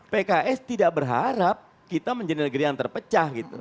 pks tidak berharap kita menjadi negeri yang terpecah gitu